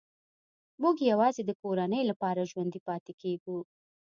موږ یوازې د کورنۍ لپاره ژوندي پاتې کېږو